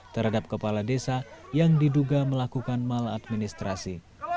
terhadap kepala desa yang diduga melakukan maladministrasi